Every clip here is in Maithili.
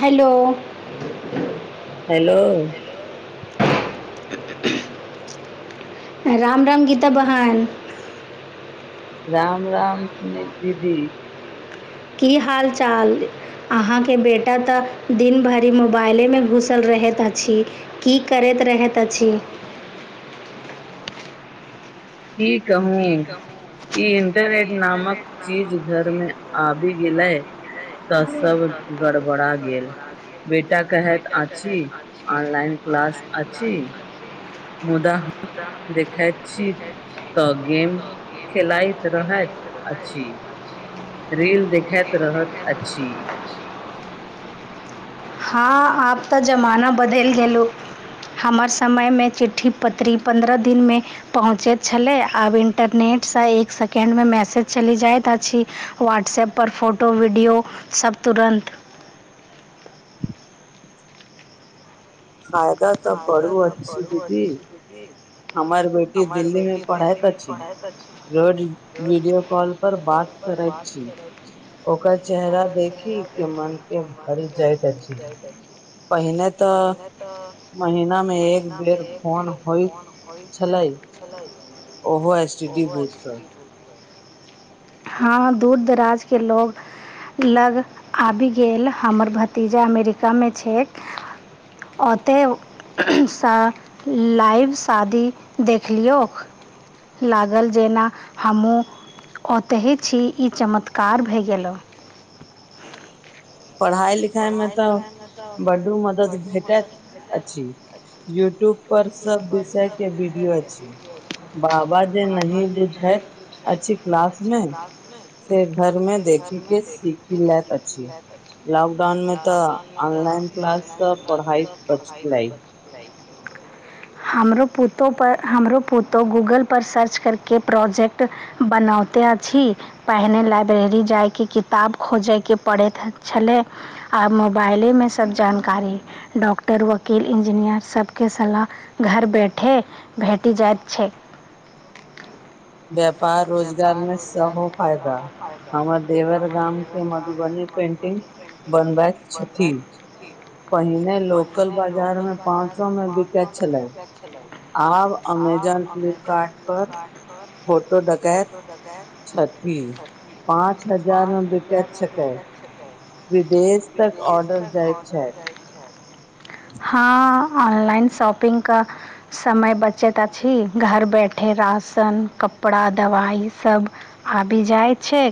हेलो हेलो राम राम गीता बहन राम राम सुनैत दीदी की हाल चाल अहाँके बेटा तऽ दिन भरि मोबाइले मे घुसल रह रहैत अछि की करैत रहैत अछि की कहू ई इंटरनेट नामक चीज घरमे आबि गेलै तऽ सब गड़बड़ा गेल बेटा कहैत आछि ऑनलाइन क्लास अछि [inaudible] तऽ गेम खेलाइत रहैत अछि रील देखैत रहैत अछि आ आब तऽ जमाना बदैल गेलै हमर समयमे चिट्ठी पत्री पन्द्रह दिनमे पहुँचैत छलै आब इंटरनेट सँ एक सेकेंडमे मैसेज चलि जाइत अछि व्हाट्सएप पर फोटो वीडियो सब तुरन्त फायदा तऽ बड़ि अच्छी दीदी हमर बेटी दिल्लीमे पढ़ैत अछि रोज वीडियो कॉल पर बात बात करैत छै ओकर चेहरा देखी के मनके भरि जाइत अछि पहिले तऽ महिना मे एक बेर फोन होइत छलै छल ओहो एल सी डी हँ दूर दराजके लोक लग आबि गेल हमर भतीजा अमेरिकामे छै ओतऽ सँ लाइव शादी देखलियौक लागल जेना हमहूँ ओतहि छी ई चमत्कार भए गेलै पढ़ाईइ लिखाइ मे तऽ बड्डी मदद भेटैत अछि यूट्यूब यूट्यूब पर सब विषय देख [unintelligible] बाबा जे म अच्छी क्लास मे से घर मे देखी के सीख लैत अछि लॉकडाउन मे तऽ ऑनलाइन क्लाससँ पढ़ाइ बचलै [inaudible] हमरो पूतो पर हमरो पुतोहु गूगल पर सर्च करके प्रोजेक्ट बना तेयि छी पहिले लाइब्रेरी जाय के किताब खोजै के पड़ेत छले आब मोबाइलेमे सब जानकारी डॉक्टर वकील इंजीनियर सबके सलाह घर बैठे भेट जाइत छै बाप [unintelligible] आओर रोजगारमे सेहो फायदा हमर देवर गाम के मधुबनी पेंटिंग बनबैत छथि पहिने लोकल बाजार में पाच सौ मे बिके छलै आब अमेर हम अमेज़न फ्लिपकार्टपर [unintelligible] फ ल छथि पाँच हजार रप [unintelligible] विदेश तक ऑर्डर जाइत छै आ [unintelligible] हँ ऑनलाइन शॉपिंगक समय बचैत अछि घर बैठे राशन कपड़ा दबाइ सब आबि जाइत छै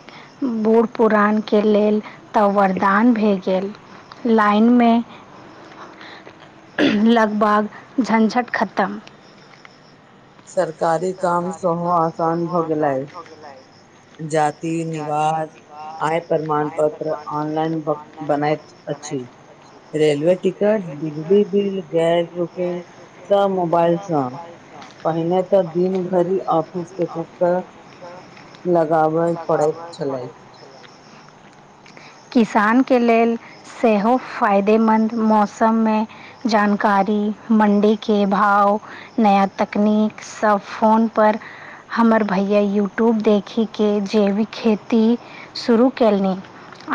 बूढ़ पुरानके लेल त वर्दान भए गेल लाइनमे लगभाग झंझट खतम सरकारी काम सेहो आसान भऽ गेलै जाति निवास आय प्रमाण पत्र ऑनलाइन बनाय अछि रेलवे टिकट बिजली बिल गैस बुकिंग सब मोबाइलसँ पहिने त पाइनेटर ओऑफ [unintelligible] किसान के लेल [unintelligible] सेहो फायदेमन्द मौसममे जानकारी मण्डीके भाव नया तकनीकसब फोनपर हमर भैया यूट्यूब देखिके जैविक खेती शुरू कयलनि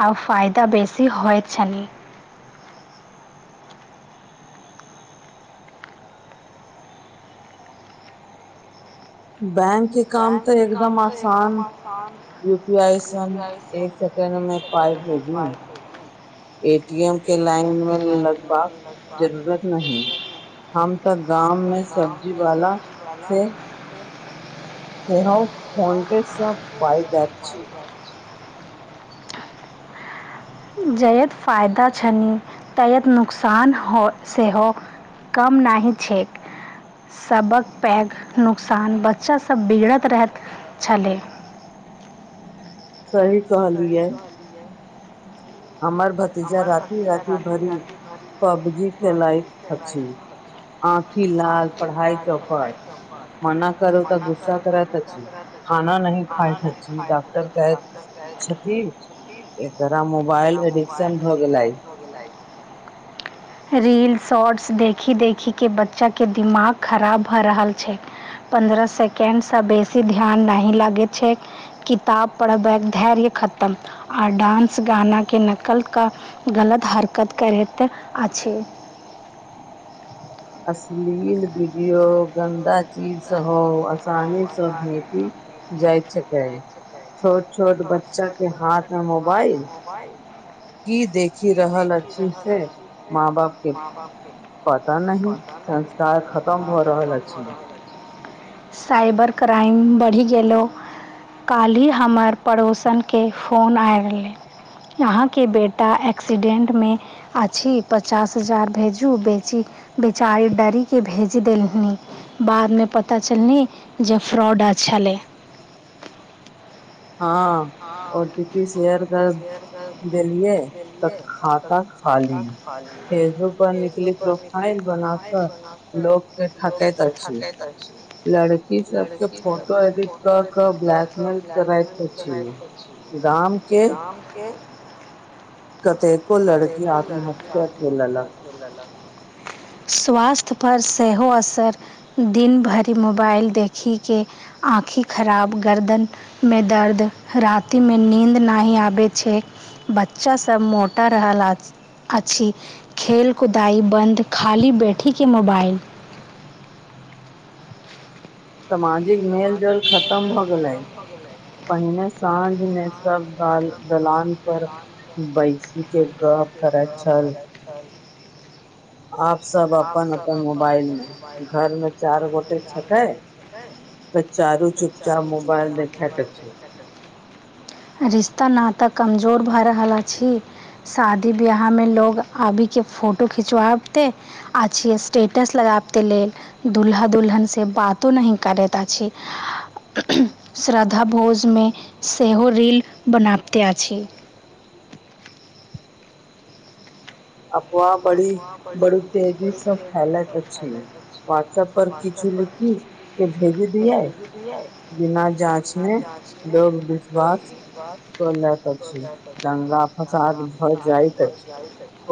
आ फायदा बेसी होइत छनि बैंक के काम तऽ एकदम आसान यू पी आई स एक सेकंड में ओ पाइ नहि पा हो [unintelligible] ए टीएम के लाइन में लगबाक जरूरत नहि अमकर नाममे सब्जीवा [unintelligible] सेहौ फोन पे सँ पाइ जाइत छी [inaudible] जयत फायदा छनि तयत नुोकसान हो सेहो कम नाहि छैक सबक पैघ नुकसान बचत बच्चासभ बिगड़ैत रहैत छलै सही कहलियै हमर भतीजा राति राति भरी पबजी खेलाइत अछी आँखी लाल पढ़ाइ चौफट मना करू तऽ गुस्सा करत अछी खाना नहि खायत डॉक्टर कहे छथि एकरा मोबाइल एडिक्श [unintelligible] [unintelligible] रील्स शॉर्ट्स देखी देखी के बच्चा के दिमाग खराब भए रहल छै पन्द्रह सेकेंडसँ बेसी ध्यान नहि लागैत छै किताब पढ़बै धैर्य खतम और डान्स गाना के नकल क गलत हरकत करैत अछि अशलील वीडियो गन्दा चीजसहो आसानीसँ भेटी जाइत छकै छोट छोट बच्चा के हाथ मे मोबाइल ई देखि रहन नची है माँ बापके [unintelligible] पता नहीं संस्कार खतम भऽ रहल अछि साइबर क्राइम बढ़ि गेलो काल्हि हमर पड़ोसनके फोन आइरले अहाँके बेटा एक्सीडेंटमे अछि पचास हजार भेजू बेची बेचारी डरी के भेज देलनी बादमे पता चलनी जे फ्रॉडर अछलै हँ ओटी पी शेयर कर देलियै तक खाता खाली फेसबुक पर निकली प्रोफाइल बना क ह ल ठाकैत अ छै लड़की सब फट अ [unintelligible] ब्लैकमेल करैत अछी गाम के [unintelligible] कतेको लड़की आत्महत्या के लेलक [unintelligible] स्वास्थपर सेहो असर दिन भरि मोबाइल देखिके आ आँखि खराब गरदनमे दर्द रातिमे नीन्द नहि आबैत छै बच्चा सब मोटा रहल आज अछी खेल कुदाई बन्द खाली बेैठी के मोबाइल [inaudible] मेल जल खतम भऽ गेलै पहिने साँझ मे सब दाल दलान पर बैसी के गप प्र कर ख [unintelligible] आप सब अपन अपन मोबाइलमे घरमे चाइर गोटे छकै तऽ चारू चुपचाप मोबाइल दे खैत अछी रिश्ता न तऽ कमजोर भऽ रहल अछि शा दि बियाह में लोग आबि के फोटो खिंचवाबते आच्छी स्टेटस लगाबते ले दुल्हा दुल्हनसँ बातो नहि करैत अछि श्रद्धा भोजमे सेहो रील बनाबिते अछि [inaudible] अफ्व [unintelligible] बड़ी बड़ु तेजी स फैलैइत कछु वाट्सप पर किछु लिखि के भेजे दियए बिना जाँच ने लोग विश्वास क लैत अछि दंगा फसाद भऽ जाइत अछि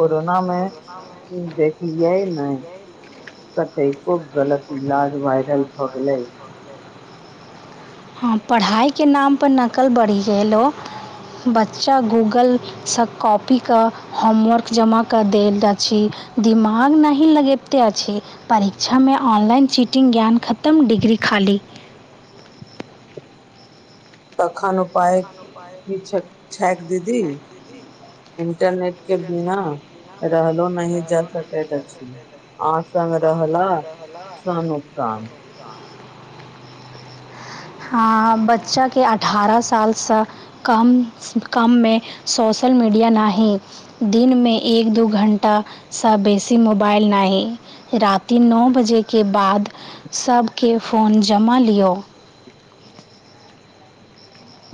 कोरोना नमे देखीयै नहि कतेको गलत इलाज वायरल भऽ गेलै पढ़ाइके नामपर नकल बढ़ि गेल ओ बच्चा गूगलसँ कॉपीक होमवर्क जमा करऽ देलत छी दिमाग नहि लगेतेअछी परीक्षा मे ऑनलाइन चीटिंग ज्ञान खतम डिग्री खाली तखन उपाय कि छक दीदी इन्टरनेट के बिना रहलो नहिह जा सकै लक्ष आस रह नुसान नुोकसान ह बच्चा के अठारह सालसँ कम कममे सए सए सोशल मीडिया नाह दिनमे एक दू घण्टाासँ बेसी मोबाइल नाही राति नओ बजेके बाद सभके फोन जमा लिअ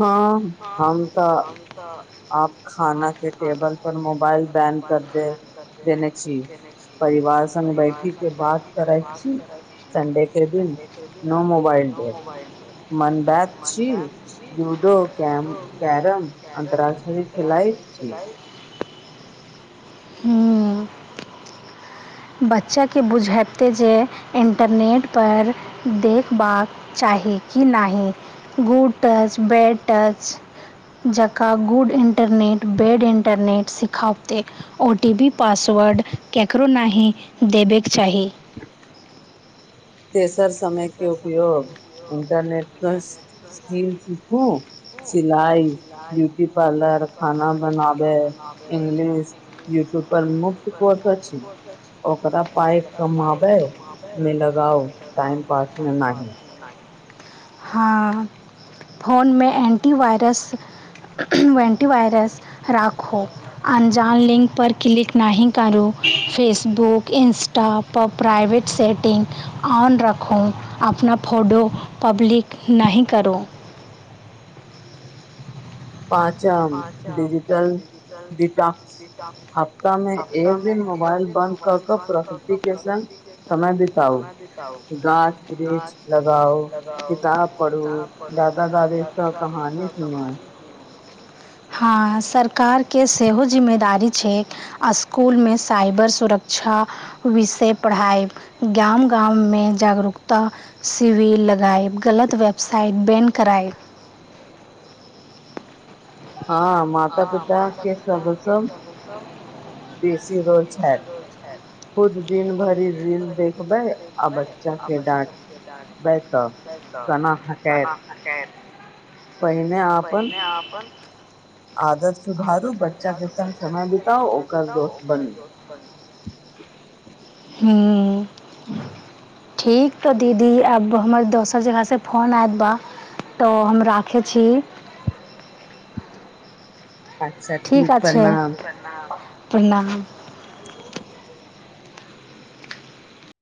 हँ हम तऽ आप खाना के टबल पर मोबाइल बैन कर दे देने छी परिवार सग बैठी के बात करे छी सडे के दिन नो मोबाइल डे मोबाइल मनबातची यूट्यूब कैम कैरम अन्तराष्ट्रीय खेलाइट छी ह्म बच्चाके बुझते जे इन्टरनेट पर देखबाक केकीनहि गूड टच बेड टच जका गुड इंटरनेट बेड इंटरनेट सिखावते ओ टी पी पास हो र्ड केकरो नहि देबयके चाही तेसर समय के उपयोग इंटरनेट स्किल सीखू सिलाइ ब्यूटी पार्लर खाना बनाबै इंग्लिश यूट्यूब पर मुख्य कोर्स ओकरा पाइ कमाबे मिल ह टाइम पासमे नहि हँ फोनमे एन्टी वायरस वंटी वायरस राखू अनजान लिंक पर क्लिक नहि करू Facebook Insta top private setting on रखू अपना फोटो पब्लिक नहि करू पाँचम डजिटल िटॉ्स हफ्तामे एक दिन मोबाइल बन्द कर कऽ प्रकृति के सन समय बताउ गाछ वृक्ष लगाउ किताब पढ़ू पड़े है दादा दादी कें सात नहारु हँ सरकारके सेहो जिम्मेदारी छै स्कुलमे साइबर सुरक्ष कक्षा विषय पढ़ाई गाम गाममे जागरूकता शिविर लगाए गलत वेबसाइट बैन करएब हँ माता पिता के सब सब बेसी रोस छै छैत भ आ [unintelligible] ना पहिने अपन आदत सुधारू बच्चा के सङ्ग समय बितउ ओकर दोस्त बनू [inaudible] हूँ ठीक तऽ दीदी आब हमर दोसर जगहसँ फोन आयत बा तऽ हम राखै छी अच्छा जी प्रणाम प्रणाम [inaudible]